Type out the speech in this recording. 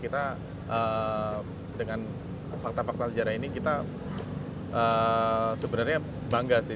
kita dengan fakta fakta sejarah ini kita sebenarnya bangga sih